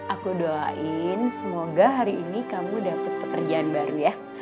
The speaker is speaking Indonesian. aku doain semoga hari ini kamu dapat pekerjaan baru ya